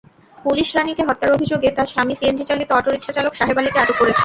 Police রানীকে হত্যার অভিযোগে তাঁর স্বামী সিএনজিচালিত অটোরিকশাচালক সাহেব আলীকে আটক করেছে।